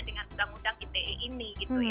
dengan sedang sedang ite ini